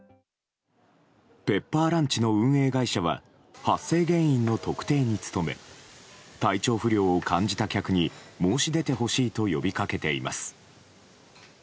ペッパーランチの運営会社は発生原因の特定に努め体調不良を感じた客に申し出てほしいと呼びかけています。